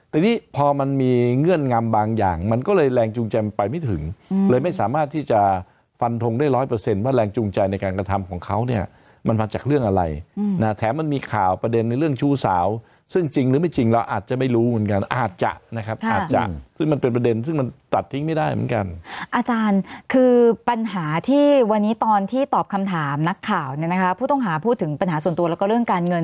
แต่นี่พอมันมีเงื่อนงำบางอย่างมันก็เลยแรงจูงใจมันไปไม่ถึงเลยไม่สามารถที่จะฟันทงได้ร้อยเปอร์เซ็นต์ว่าแรงจูงใจในการกระทำของเขาเนี่ยมันมาจากเรื่องอะไรนะแถมมันมีข่าวประเด็นในเรื่องชู้สาวซึ่งจริงหรือไม่จริงเราอาจจะไม่รู้เหมือนกันอาจจะนะครับอาจจะซึ่งมันเป็นประเด็นซึ่งมันตัดทิ้งไม่ได้เหมื